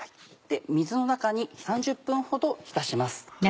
水の中に３０分ほど浸します。